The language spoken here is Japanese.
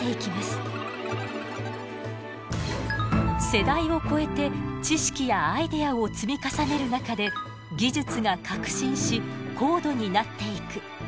世代を超えて知識やアイデアを積み重ねる中で技術が革新し高度になっていく。